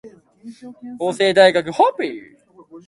法政大学ホッピー